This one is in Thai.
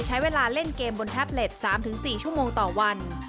ใช้เวลาเล่นเกมบนแท็บเล็ต๓๔ชั่วโมงต่อวัน